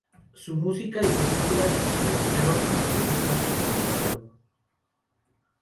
Su música y películas se popularizaron, aunque no tanto en el extranjero.